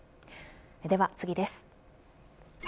では次です。